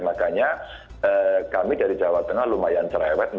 makanya kami dari jawa tengah lumayan cerewet